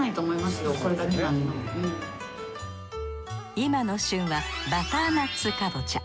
今の旬はバターナッツかぼちゃ。